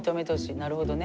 なるほどね。